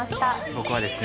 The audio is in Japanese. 僕はですね